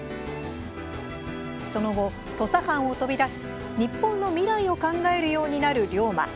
その後、土佐藩を飛び出し日本の未来を考えるようになる龍馬。